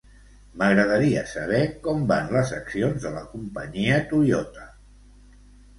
M'agradaria saber com van les accions de la companyia Toyota.